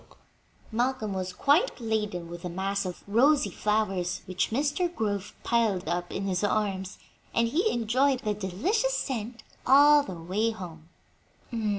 Malcolm was quite laden with the mass of rosy flowers which Mr. Grove piled up in his arms, and he enjoyed the delicious scent all the way home.